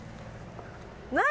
何？